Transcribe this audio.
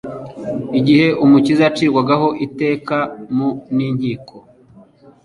Igihe Umukiza yacirwagaho iteka mu nikiko,